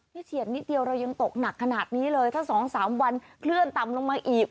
นี่เฉียดนิดเดียวเรายังตกหนักขนาดนี้เลยถ้า๒๓วันคลื่นต่ำลงมาอีก